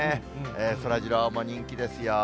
そらジローも人気ですよ。